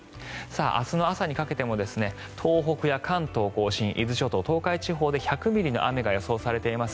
明日の朝にかけても東北や関東・甲信伊豆諸島、東海地方で１００ミリの雨が予想されています。